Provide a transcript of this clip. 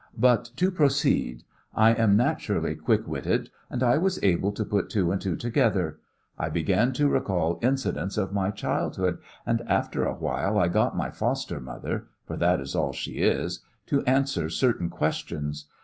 "But to proceed. I am naturally quick witted, and I was able to put two and two together. I began to recall incidents of my childhood, and after a while I got my foster mother for that is all she is to answer certain questions.